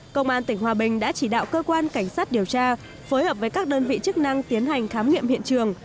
công an tỉnh hòa bình đã chỉ đạo cơ quan cảnh sát điều tra phối hợp với các đơn vị chức năng tiến hành khám nghiệm hiện trường